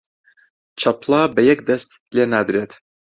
چەپڵە بە یەک دەست لێ نادرێت